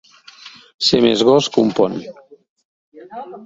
Ser més gos que un pont.